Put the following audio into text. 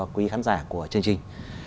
quý khán giả của chương trình